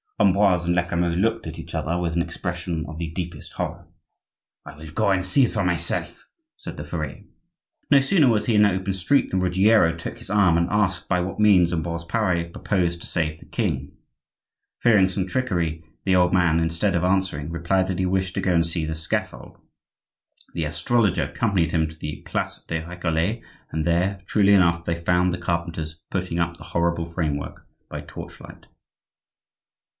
Ambroise and Lecamus looked at each other with an expression of the deepest horror. "I will go and see it for myself," said the furrier. No sooner was he in the open street than Ruggiero took his arm and asked by what means Ambroise Pare proposed to save the king. Fearing some trickery, the old man, instead of answering, replied that he wished to go and see the scaffold. The astrologer accompanied him to the place des Recollets, and there, truly enough, they found the carpenters putting up the horrible framework by torchlight.